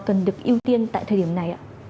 cần được ưu tiên tại thời điểm này